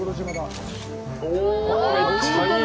お、めっちゃいい。